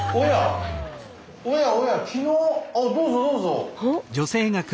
あっどうぞどうぞ！